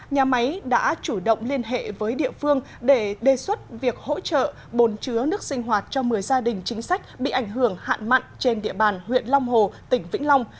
nhà máy đã chủ động liên hệ với địa phương để đề xuất việc hỗ trợ bồn chứa nước sinh hoạt cho một mươi gia đình chính sách bị ảnh hưởng hạn mặn trên địa bàn huyện long hồ tỉnh vĩnh long